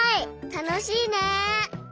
たのしいね！